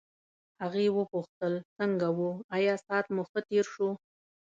هغې وپوښتل څنګه وو آیا ساعت مو ښه تېر شو.